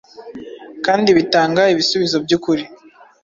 kandi bitanga ibisubizo by’ukuri